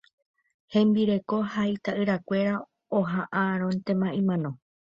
Hembireko ha itaʼyrakuéra ohaʼãróntema imano.